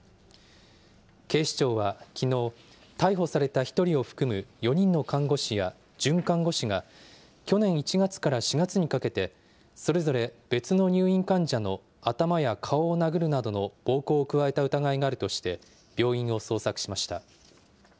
警視庁はきのう、逮捕された１人を含む４人の看護師や准看護師が、去年１月から４月にかけて、それぞれ別の入院患者の頭や顔を殴るなどの暴行を加えた疑いがあるとして、病院を捜索しました。